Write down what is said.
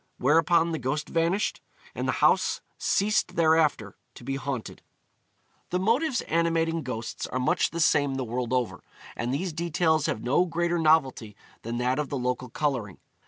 Whereupon the ghost vanished, and the house ceased thereafter to be haunted. The motives animating ghosts are much the same the world over, and these details have no greater novelty than that of the local colouring.